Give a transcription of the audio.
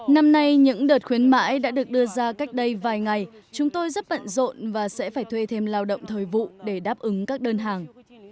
năm nay những đợt khuyến mãi đã được đưa ra cách đây vài ngày chúng tôi rất bận rộn và sẽ phải thuê thêm lao động thời vụ để đáp ứng các đơn hàng